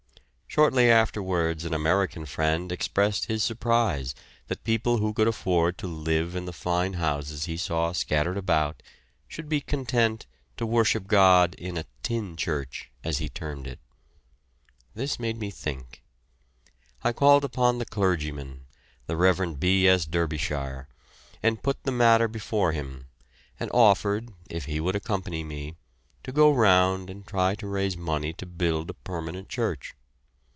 Shortly afterwards an American friend expressed his surprise that people who could afford to live in the fine houses he saw scattered about should be content to worship God in a "tin" church, as he termed it. This made me think. I called upon the clergyman, the Rev. B. S. Derbyshire, and put the matter before him, and offered, if he would accompany me, to go round and try to raise money to build a permanent church.